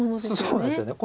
そうなんですよね。